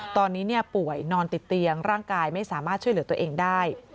ตอนนี้ป่วยนอนติดเตียงร่างกายไม่สามารถช่วยเหลือตัวเองได้